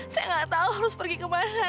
saya nggak tahu harus pergi kemana